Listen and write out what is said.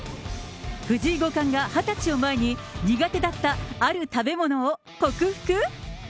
藤井五冠が２０歳を前に、苦手だったある食べ物を克服？